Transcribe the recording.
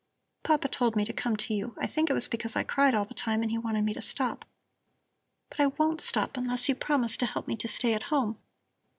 "Papa told me to come to you; I think it was because I cried all the time and he wanted me to stop. But I won't stop, unless you promise to help me to stay at home.